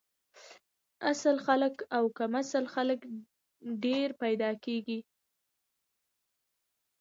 اصل خلک کم او کم اصل خلک ډېر پیدا کیږي